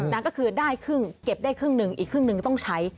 นะก็คือได้ครึ่งเก็บได้ครึ่งหนึ่งอีกครึ่งหนึ่งต้องใช้